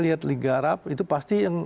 lihat liga arab itu pasti yang